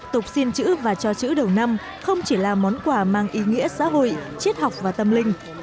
tục xin chữ và cho chữ đầu năm không chỉ là món quà mang ý nghĩa xã hội triết học và tâm linh